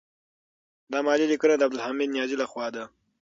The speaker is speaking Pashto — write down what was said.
دا مالي لیکنه د عبدالحمید نیازی لخوا ده.